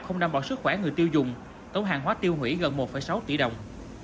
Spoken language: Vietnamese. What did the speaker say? không đảm bảo sức khỏe người tiêu dùng tổng hàng hóa tiêu hủy gần một sáu tỷ đồng